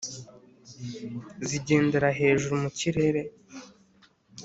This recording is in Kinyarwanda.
Zigendera hejuru mu kirere